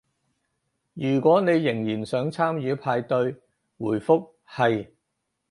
如果你仍然想參與派對，回覆係